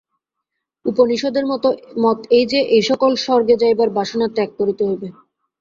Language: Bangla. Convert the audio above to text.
উপনিষদের মত এই যে, এই সকল স্বর্গে যাইবার বাসনা ত্যাগ করিতে হইবে।